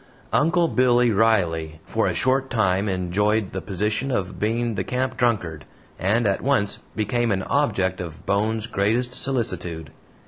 "Uncle Billy" Riley for a short time enjoyed the position of being the camp drunkard, and at once became an object of Bones' greatest solicitude.